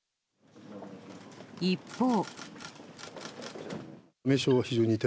一方。